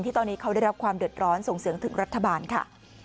ตอนนี้เขาได้รับความเดือดร้อนส่งเสียงถึงรัฐบาลค่ะ